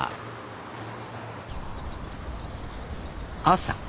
朝。